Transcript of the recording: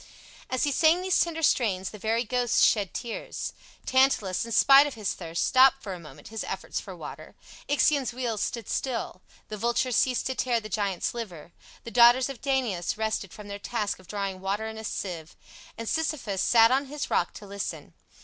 As he sang these tender strains, the very ghosts shed tears. Tantalus, in spite of his thirst, stopped for a moment his efforts for water, Ixion's wheel stood still, the vulture ceased to tear the giant's liver, the daughters of Danaus rested from their task of drawing water in a sieve, and Sisyphus sat on his rock to listen.